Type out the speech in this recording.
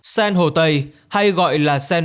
sen hồ tây hay gọi là sen